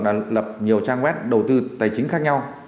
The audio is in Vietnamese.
đã lập nhiều trang web đầu tư tài chính khác nhau